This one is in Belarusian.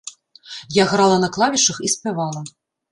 Я грала на клавішах і спявала.